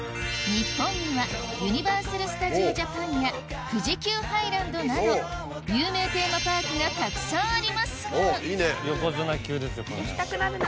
日本にはユニバーサル・スタジオ・ジャパンや富士急ハイランドなど有名テーマパークがたくさんありますがおっいいね。